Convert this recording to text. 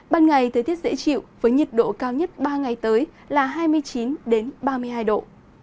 ban ngày thời tiết dễ chịu với nhiệt độ cao nhất ba ngày tới là hai mươi chín ba mươi hai độ